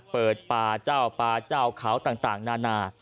เปิดป่าเจ้าป่าเจ้าเขาต่างนานา